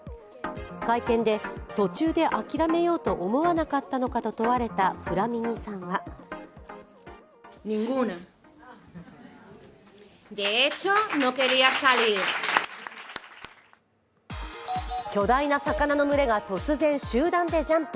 会見で途中で諦めようと思わなかったのかと問われたフラミニさんは巨大な魚の群れが突然集団でジャンプ。